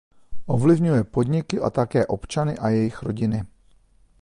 Ovlivňuje podniky a také občany a jejich rodiny.